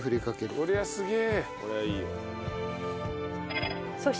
こりゃすげえ！